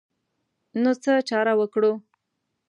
نو څه چاره وکړو.